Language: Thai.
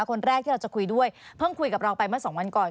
คนแรกที่เราจะคุยด้วยเพิ่งคุยกับเราไปเมื่อสองวันก่อน